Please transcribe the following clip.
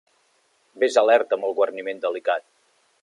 Ves alerta amb el guarniment delicat.